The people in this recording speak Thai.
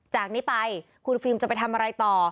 จากนี้ไปคุณฟิล์มจะไปทำอะไรต่อ